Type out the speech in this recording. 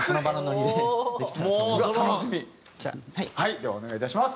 ではお願いいたします。